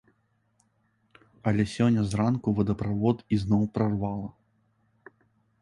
Але сёння зранку вадаправод ізноў прарвала.